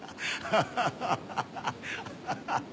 ハハハハ！